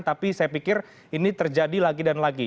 tapi saya pikir ini terjadi lagi dan lagi